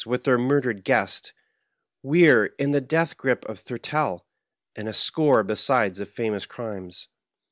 63 with their murdered guest ; Weare in the death grip of Thurtell; and a score besides of famous crimes.